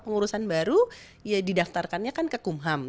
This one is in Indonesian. pengurusan baru ya didaftarkannya kan ke kumham